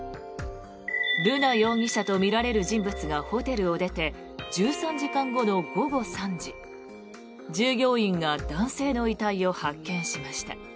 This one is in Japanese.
瑠奈容疑者とみられる人物がホテルを出て１３時間後の午後３時従業員が男性の遺体を発見しました。